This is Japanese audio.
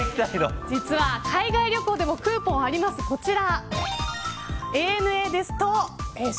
実は海外旅行でもクーポンがあります、こちら。